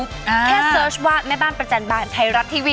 แค่เสิร์ชวาดแม่บ้านประจันบาลไทยรัฐทีวี